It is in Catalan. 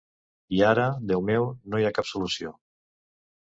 I ara, Déu meu, no hi ha cap solució...